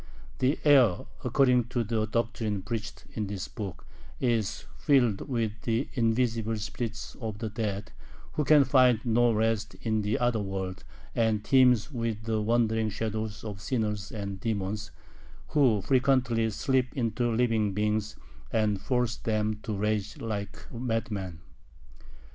The air, according to the doctrine preached in this book, is filled with the invisible spirits of the dead who can find no rest in the other world, and teems with the wandering shadows of sinners and demons, who frequently slip into living beings and force them to rage like madmen.